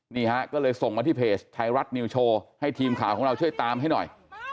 นี่ฮะก็เลยส่งมาที่เพจไทยรัฐนิวโชว์ให้ทีมข่าวของเราช่วยตามให้หน่อย